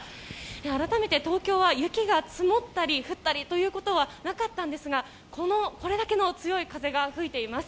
改めて、東京は雪が積もったり降ったりということはなかったんですがこれだけの強い風が吹いています。